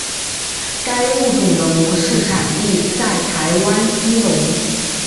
该物种的模式产地在台湾基隆。